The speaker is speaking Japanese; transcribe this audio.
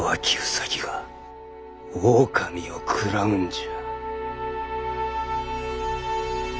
兎が狼を食らうんじゃ。